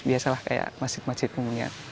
biasalah kayak masjid masjid penghunian